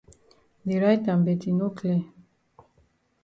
Dey write am but e no clear.